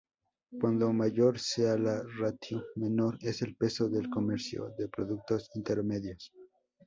Cuanto mayor sea la ratio, menor es el peso del comercio de productos intermedios.